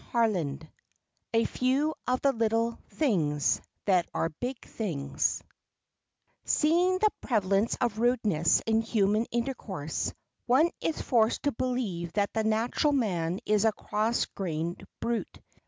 CHAPTER XLII A FEW OF THE LITTLE THINGS THAT ARE BIG THINGS SEEING the prevalence of rudeness in human intercourse, one is forced to believe that the natural man is a cross grained brute.